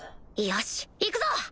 よし行くぞ！